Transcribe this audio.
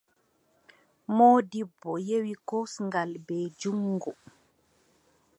Moodibbo yewi kosngal, bee juŋngo.